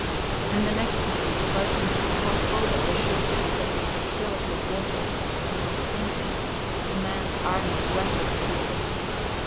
And the next moment the boatman had caught hold of the shoe just as it had filled with water and was sinking; the man's arm was wet up to the elbow.